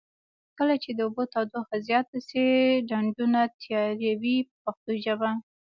کله چې د اوبو تودوخه زیاته شي ډنډونه تیاروي په پښتو ژبه.